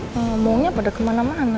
ngomongnya pada kemana mana